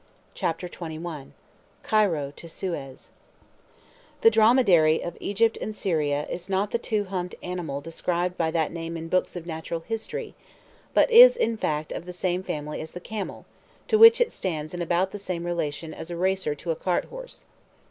CHAPTER XXI—CAIRO TO SUEZ The "dromedary" of Egypt and Syria is not the two humped animal described by that name in books of natural history, but is, in fact, of the same family as the camel, to which it stands in about the same relation as a racer to a cart horse.